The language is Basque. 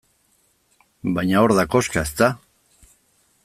Baina hor da koxka, ezta?